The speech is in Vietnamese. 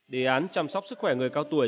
đề án chăm sóc sức khỏe người cao tuổi